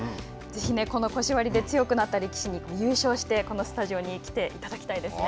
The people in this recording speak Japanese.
ぜひ、この腰割りで強くなった力士に優勝して、このスタジオに来ていただきたいですね。